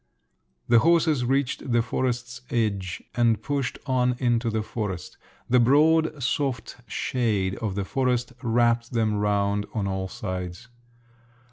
The horses reached the forest's edge and pushed on into the forest. The broad soft shade of the forest wrapt them round on all sides.